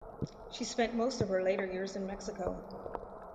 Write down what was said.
She spent most of her later years in Mexico.